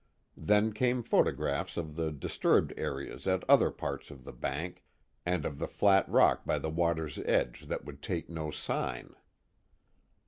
Then came photographs of the disturbed areas at other parts of the bank, and of the flat rock by the water's edge that would take no sign.